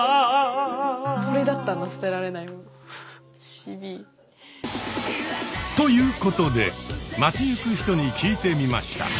きょうはなんかということで街行く人に聞いてみました。